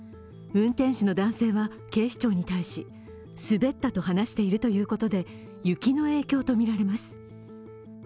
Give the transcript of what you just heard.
運転手の男性は、警視庁に対し、滑ったと話しているということで、雪の影響とみられます。